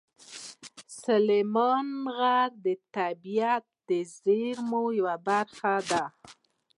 سلیمان غر د طبیعي زیرمو یوه برخه ده.